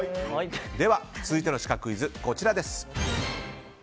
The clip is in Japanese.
では、続いてのシカクイズです。